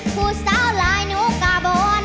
ผู้สาวลายหนูกาบอน